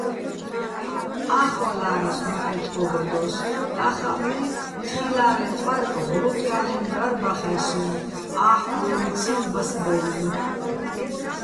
ა́ხვალა́რასო̆, მოჰ̦ე́ ტყო́ბადოს, და́ხაჸ მე თხილა́რეჼ პარკ ღრუტჲა́ლ'ენო̆ ბჵარბახეჼ სოჼ, ა́ხგო́მცი ბასბაჲლნო̆.